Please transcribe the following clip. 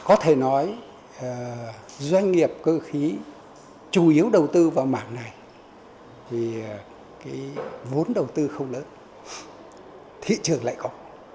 có thể nói doanh nghiệp cơ khí chủ yếu đầu tư vào mảng này thì cái vốn đầu tư không lớn thị trường lại có